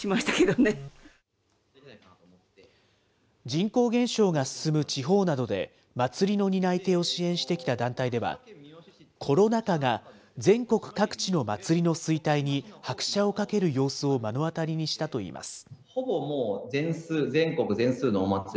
人口減少が進む地方などで、祭りの担い手を支援してきた団体では、コロナ禍が全国各地の祭りの衰退に拍車をかける様子を目の当たりにしたといいます。